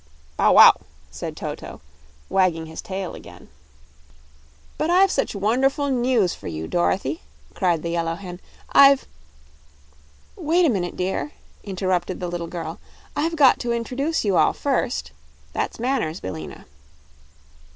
"Bow wow!" said Toto, wagging his tail again. "But I've such wonderful news for you, Dorothy," cried the yellow hen; "I've " "Wait a minute, dear," interrupted the little girl; "I've got to introduce you all, first. That's manners, Billina.